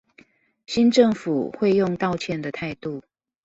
新政府會用道歉的態度